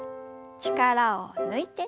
力を抜いて。